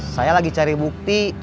saya lagi cari bukti